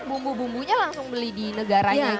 bumbu bumbunya langsung beli di negaranya